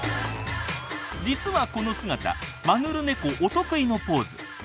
実はこの姿マヌルネコお得意のポーズ。